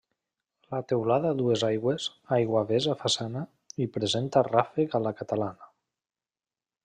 La teulada a dues aigües, aiguavés a façana, i presenta ràfec a la catalana.